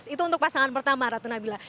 itu untuk pasangan pertama ratu nabila